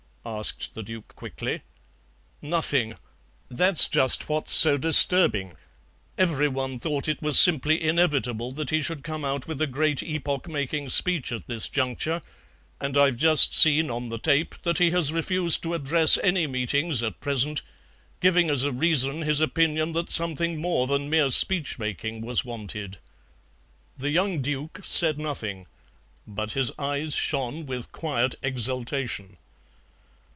asked the Duke quickly. "Nothing. That's just what's so disturbing. Every one thought it was simply inevitable that he should come out with a great epoch making speech at this juncture, and I've just seen on the tape that he has refused to address any meetings at present, giving as a reason his opinion that something more than mere speech making was wanted." The young Duke said nothing, but his eyes shone with quiet exultation.